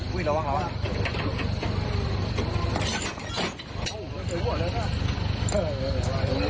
อุ้ยระวังระวัง